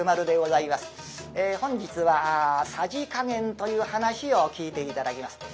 本日は「さじ加減」という噺を聴いて頂きます。